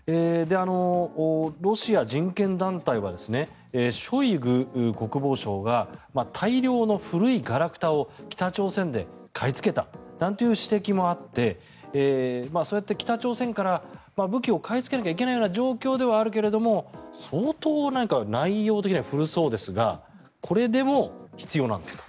ロシア人権団体はショイグ国防相が大量の古いがらくたを北朝鮮で買いつけたなんていう指摘もあってそうやって北朝鮮から武器を買いつけなきゃいけないような状況ではあるけど相当、何か内容的には古そうですがこれでも必要なんですか？